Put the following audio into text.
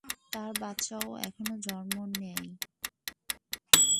তার বাচ্চাও এখানেই জন্ম নেয়।